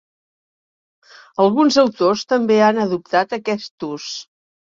Alguns autors també han adoptat aquest ús.